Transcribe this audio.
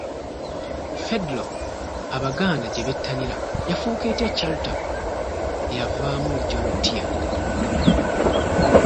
Federo Abaganda gyebettanira yafuuka etya Chalter Eyavaamu “Regional Tier?”